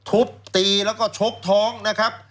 ทุบตีแล้วก็ชกท้องนะครับ